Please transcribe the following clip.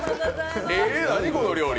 ええ、何、この料理。